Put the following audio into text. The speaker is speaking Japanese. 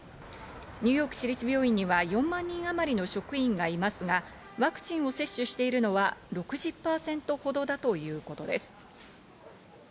ニューヨーク市立病院には４万人あまりの職員がいますが、ワクチンを接種しているのは６０％ほどだということです。